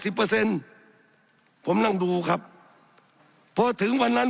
สับขาหลอกกันไปสับขาหลอกกันไป